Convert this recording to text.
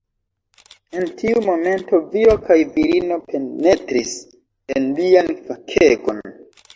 En tiu momento viro kaj virino penetris en lian fakegon.